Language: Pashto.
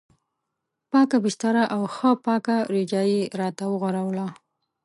پاکه بستره او ښه پاکه رجایي یې راته وغوړوله.